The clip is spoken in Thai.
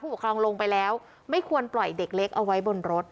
ปกครองลงไปแล้วไม่ควรปล่อยเด็กเล็กเอาไว้บนรถ